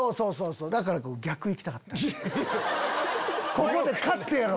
ここで勝ってやろう！